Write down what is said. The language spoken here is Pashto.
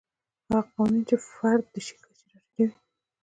هغه قوانین چې فرد د شي کچې ته راټیټوي.